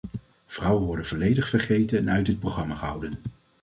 Vrouwen worden volledig vergeten en uit dit programma gehouden.